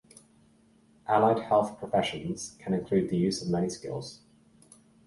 Allied health professions can include the use of many skills.